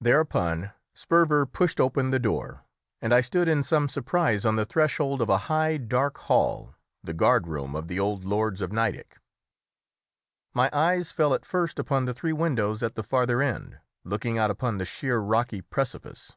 Thereupon Sperver pushed open the door, and I stood in some surprise on the threshold of a high, dark hall, the guard room of the old lords of Nideck. My eyes fell at first upon the three windows at the farther end, looking out upon the sheer rocky precipice.